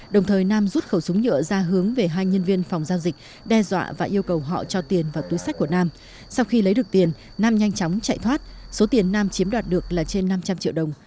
đồng thời nam rút khẩu súng nhựa ra hướng về hai nhân viên phòng giao dịch đe dọa và yêu cầu họ cho tiền vào túi sách của nam sau khi lấy được tiền nam nhanh chóng chạy thoát số tiền nam chiếm đoạt được là trên năm trăm linh triệu đồng